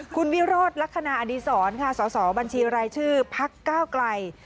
คุณวิโรธลักษณะอดีศรค่ะสสบัญชีรายชื่อพักก้าวไกล